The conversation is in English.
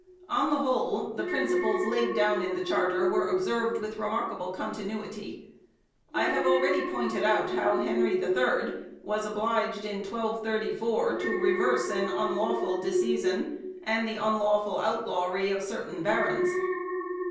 On the whole, the princi ples laid down in the Charter were observed with re markable continuity. I have already pointed out how Henry III was obliged in 1234 to reverse an unlawful disseisin and the unlawful outlawry of certain barons.